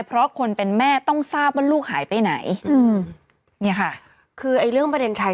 เพราะคนเป็นแม่ต้องทราบว่าลูกหายไปไหน